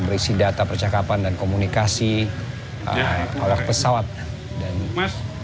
berisi data percakapan dan komunikasi oleh pesawat dan perjalanan pesawat tni au ini akan